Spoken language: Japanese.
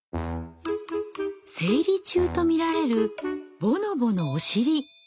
生理中と見られるボノボのおしり。